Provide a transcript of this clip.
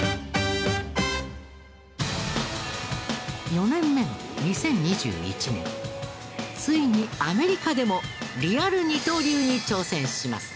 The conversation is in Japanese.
４年目の２０２１年ついにアメリカでもリアル二刀流に挑戦します。